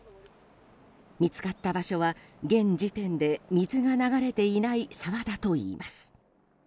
見つかった場所は現時点で水が流れていない沢だといいます。